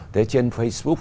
thế trên facebook